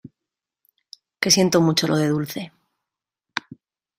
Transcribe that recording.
que siento mucho lo de Dulce.